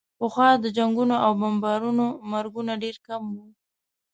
پخوا د جنګونو او بمبارونو مرګونه ډېر کم وو.